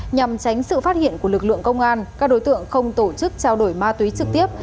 nhằm tránh sự phát hiện của lực lượng công an các đối tượng không tổ chức trao đổi ma túy trực tiếp